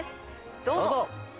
どうぞ。